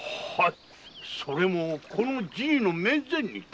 それもこのじいの面前にて。